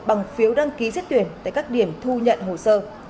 bằng phiếu đăng ký xét tuyển tại các điểm thu nhận hồ sơ